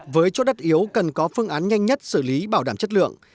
với chỗ đất yếu cần có phương án nhanh nhất xử lý bảo đảm chất lượng